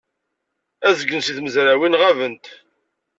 Azgen seg tmezrawin ɣabent.